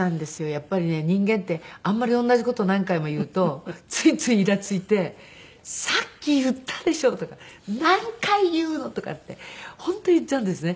やっぱりね人間ってあんまり同じ事何回も言うとついついイラついて「さっき言ったでしょ」とか「何回言うの」とかって本当言っちゃうんですね。